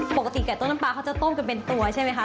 โปรดติดตามตอนต่อไป